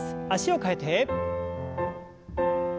脚を替えて。